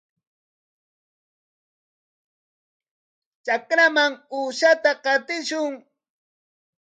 Trakraman uushata qatishun.